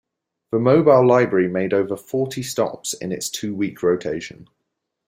The Mobile Library made over forty stops in its two week rotation.